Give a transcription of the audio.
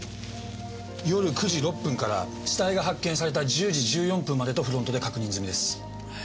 夜９時６分から死体が発見された１０時１４分までとフロントで確認済みです。